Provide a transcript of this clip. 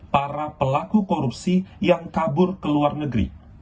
para pelaku korupsi yang kabur ke luar negeri